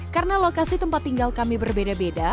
karena lokasi tempat tinggal kami berbeda beda